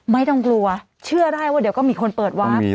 ไม่ต้องกลัวเชื่อได้ว่าเดี๋ยวก็มีคนเปิดวาร์ฟ